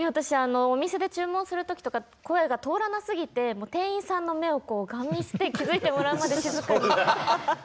お店で注文する時とか声が通らなさ過ぎて店員さんの目をガン見して気付いてもらえるまで。